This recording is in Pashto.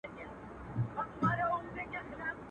بارونه ئې تړل، اوښانو ژړل.